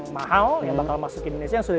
mahal yang bakal masuk ke indonesia yang sudah